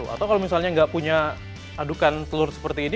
atau kalau misalnya nggak punya adukan telur seperti ini